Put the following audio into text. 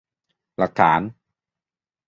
หลักฐาน !